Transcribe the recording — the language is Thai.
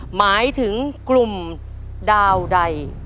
หมายถึงกลุ่มดาวใด